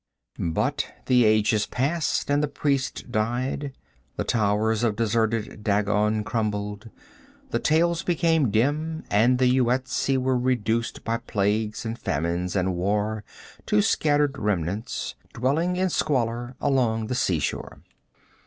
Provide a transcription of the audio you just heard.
But the ages passed and the priest died, the towers of deserted Dagon crumbled, the tales became dim, and the Yuetshi were reduced by plagues and famines and war to scattered remnants, dwelling in squalor along the seashore.